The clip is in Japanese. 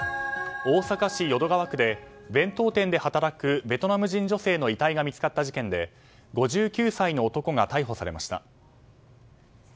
大阪市淀川区で、弁当店で働くベトナム人女性の遺体が見つかった事件で５９歳の男が逮捕されました。